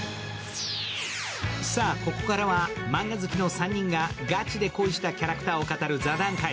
ここからはマンガ好きの３人がガチで恋したキャラクターを語る座談会。